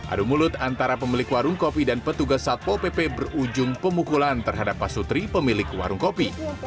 adu mulut antara pemilik warung kopi dan petugas satpo pp berujung pemukulan terhadap pasutri pemilik warung kopi